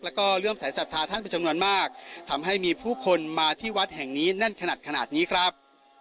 แล้วก็เริ่มสายศรัทธาท่านเป็นจำนวนมากทำให้มีผู้คนมาที่วัดแห่งนี้แน่นขนาดขนาดนี้ครับ